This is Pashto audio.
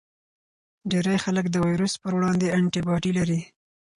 ډیری خلک د ویروس پر وړاندې انټي باډي لري.